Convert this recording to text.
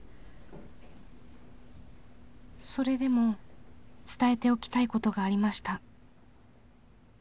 それでも伝えておきたい事がありました。